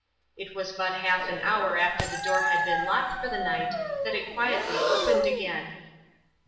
It was but half an hour after the door had been locked for the night that it quietly opened again.